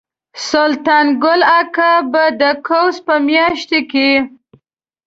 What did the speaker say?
سلطان ګل اکا به د قوس په میاشت کې.